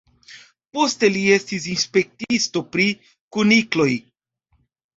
Poste li estis inspektisto pri kunikloj.